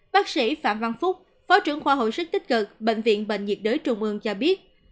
bác sĩ phạm văn phúc phó trưởng khoa hồi sức tích cực bệnh viện bệnh nhiệt đới trung ương cho biết